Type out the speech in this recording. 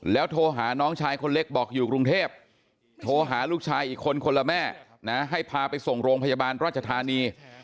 โทรหาน้องชายคนเล็กบอกอยู่กรุงเทพโทรหาลูกชายอีกคนคนละแม่นะให้พาไปส่งโรงพยาบาลราชธานี